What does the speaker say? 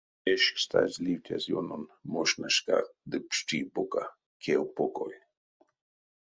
Вешкстазь ливтясь ёнон мокшнашка ды пшти бока кев поколь.